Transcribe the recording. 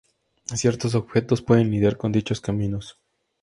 Ciertos objetos pueden lidiar con dichos caminos.